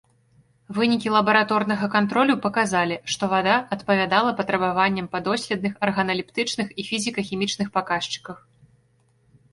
Вынікі лабараторнага кантролю паказалі, што вада адпавядала патрабаванням па доследных арганалептычных і фізіка-хімічных паказчыках.